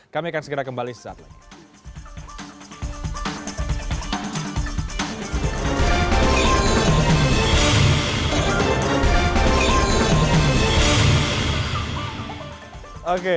kami akan segera kembali sesaat lagi